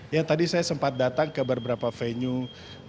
ya tadi saya sempat datang ke beberapa venue